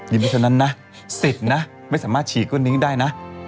ยิ้มดีเท่านั้นนะสิบนะไม่สามารถฉีกก้นหนึ่งได้นะ